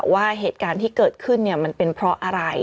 ว่าเหตุการณ์ที่เกิดขึ้นมันเป็นเพราะอะไร